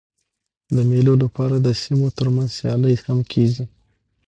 د مېلو له پاره د سیمو تر منځ سیالۍ هم کېږي.